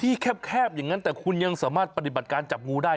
แคบอย่างนั้นแต่คุณยังสามารถปฏิบัติการจับงูได้